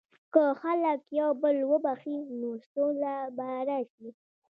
که خلک یو بل وبخښي، نو سوله به راشي.